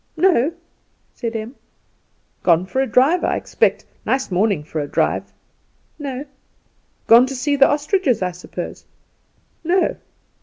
"No," said Em. "Gone for a drive, I expect? Nice morning for a drive." "No." "Gone to see the ostriches, I suppose?" "No."